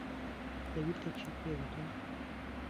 لەبیرتە چیت پێ گوتم؟